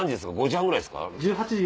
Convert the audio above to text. ５時半ぐらいですか？